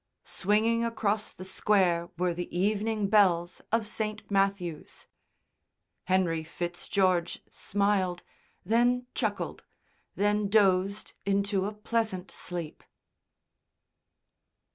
Swinging across the Square were the evening bells of St. Matthew's. Henry Fitzgeorge smiled, then chuckled, then dozed into a pleasant sleep.